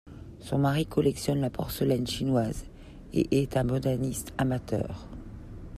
Son mari collectionne la porcelaine chinoise et est un botaniste amateur.